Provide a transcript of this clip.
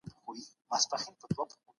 هغه څېړنه چي میتود نلري، بې ارزښته ده.